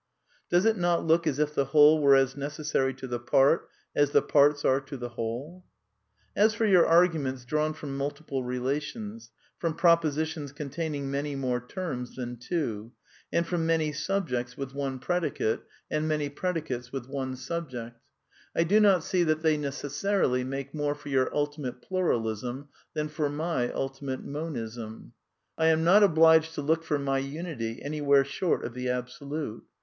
Does it not look as if the whole were as necessary to the part as the parts are to the whole ? As for your arguments drawn from multiple relations, , from propositions containing many more terms than two, and from many subjects with one predicate and many n.^<xvr^\ THE NEW KEALISM 209 predicates with one subject, I do not see that they neces sarily make more for your ultimate Pluralism than for my ultimate Monism. I am not obliged to look for my unity anywhere short of the Absolute.